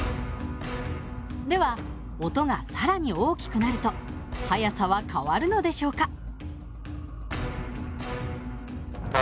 では音が更に大きくなると速さは変わるのでしょうか？